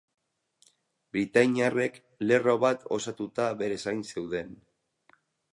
Britainiarrek lerro bat osatuta bere zain zeuden.